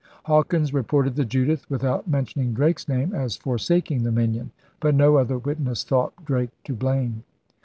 Hawkins reported the Judith, without mentioning Drake's name, as 'forsaking' the Minion. But no other witness thought Drake to blame.